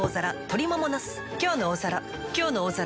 「きょうの大皿」